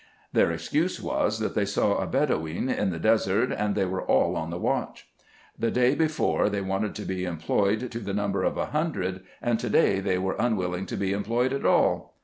Their excuse was, that they saw a Bedoween in the desert, and they were all on the watch. The day before they wanted to be employed to the number of a hundred, and to day they were unwilling to be employed at all.